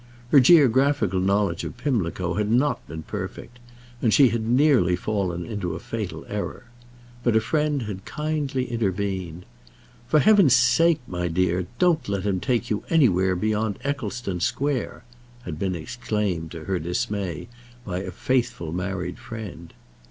Her geographical knowledge of Pimlico had not been perfect, and she had nearly fallen into a fatal error. But a friend had kindly intervened. "For heaven's sake, my dear, don't let him take you anywhere beyond Eccleston Square!" had been exclaimed to her in dismay by a faithful married friend.